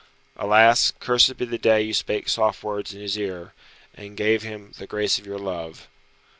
Alas, cursed be the day you spake soft words in his ear, and gave him the grace of your love.